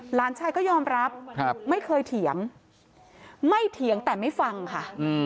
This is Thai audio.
หลานชายก็ยอมรับไม่เคยเถียงไม่เถียงแต่ไม่ฟังค่ะ